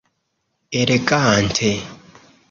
Elegante!